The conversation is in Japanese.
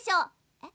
えっ？